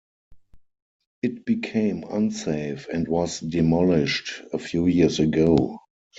It became unsafe and was demolished a few years ago.